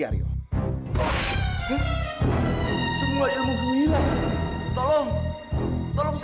ayo dimakan dulu